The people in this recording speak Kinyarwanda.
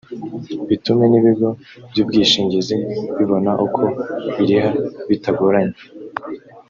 bitume n’ibigo by’ubwishingizi bibona uko biriha bitagoranye